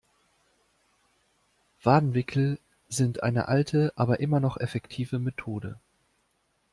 Wadenwickel sind eine alte aber immer noch effektive Methode.